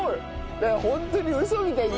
だからホントにウソみたいに。